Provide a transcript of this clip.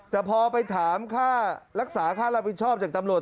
แต่พอไปถามค่ารักษาค่ารับผิดชอบจากตำรวจ